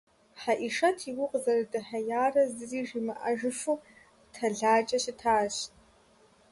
Хьэӏишэт и гур къызэрыдэхьеярэ зыри жимыӀэжыфу тэлайкӀэ щытащ.